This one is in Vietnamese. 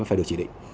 phải được chỉ định